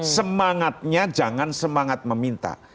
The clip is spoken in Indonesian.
semangatnya jangan semangat meminta